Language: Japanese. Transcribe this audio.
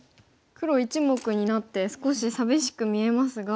黒１目になって少し寂しく見えますが。